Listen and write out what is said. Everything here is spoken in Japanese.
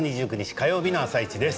火曜日の「あさイチ」です。